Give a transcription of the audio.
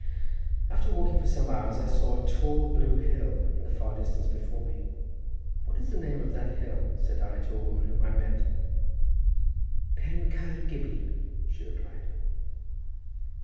After walking for some hours I saw a tall blue hill in the far distance before me. "What is the name of that hill?" said I to a woman whom I met. "Pen Caer Gybi," she replied.